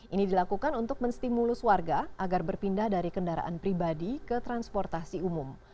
ini dilakukan untuk menstimulus warga agar berpindah dari kendaraan pribadi ke transportasi umum